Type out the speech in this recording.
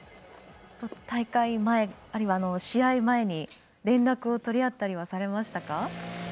大会前、あるいは試合前に連絡を取り合ったりはされましたか？